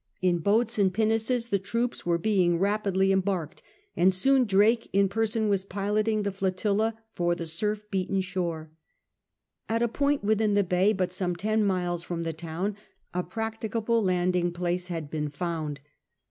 In boats and pinnaces the troops were being rapidly em barked, and soon Drake in person was piloting the flotilla for the surf beaten shore. At a point within the bay, but some ten miles from the town, a practicable landing place had been found.